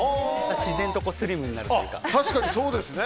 自然とスリムになるというか。